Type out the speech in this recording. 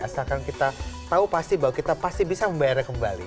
asalkan kita tahu pasti bahwa kita pasti bisa membayarnya kembali